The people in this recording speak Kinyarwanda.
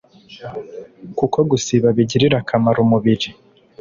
kuko gusiba bigirira akamaro umubiri